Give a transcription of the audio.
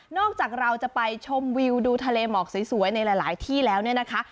จากเราจะไปชมวิวดูทะเลหมอกสวยในหลายที่แล้วเนี่ยนะคะ